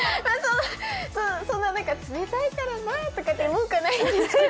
そんな、冷たいからなとか文句はないんですけど。